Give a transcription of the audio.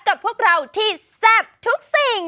กับพวกเราที่แซ่บทุกสิ่ง